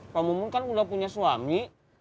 pak mumung kan udah punya suami